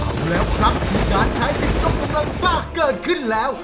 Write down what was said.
เอาแล้วครับมีการใช้สิทธิ์ยกกำลังซ่าเกิดขึ้นแล้ว